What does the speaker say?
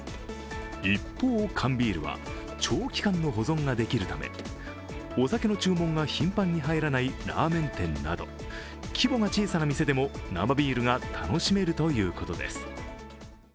一方、缶ビールは長期間の保存ができるためお酒の注文が頻繁に入らないラーメン店など、規模が小さな店でも生ビールが楽しめるということです。